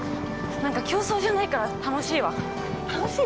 なんか競争じゃないから楽し楽しい？